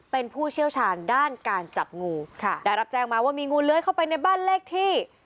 เป็นผู้เชี่ยวชาญด้านการจับงูค่ะได้รับแจ้งมาว่ามีงูเลื้อยเข้าไปในบ้านเลขที่